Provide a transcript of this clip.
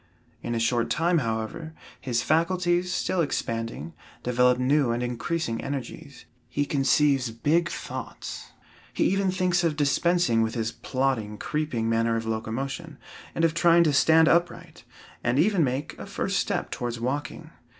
In a short time, however, his faculties, still expanding, develop new and increasing energies. He conceives "big thoughts." He even thinks of dispensing with his plodding, creeping manner of locomotion, and of trying to stand upright, and even make a first step towards walking.